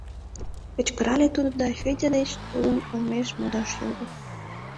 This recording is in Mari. — кычкырале тудо да Федя деч тудын олмеш модаш йодо.